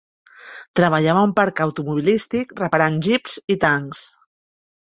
Treballava a un parc automobilístic reparant jeeps i tancs.